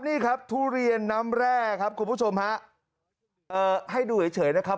นี่ครับทุเรียนน้ำแร่ครับคุณผู้ชมฮะเอ่อให้ดูเฉยนะครับ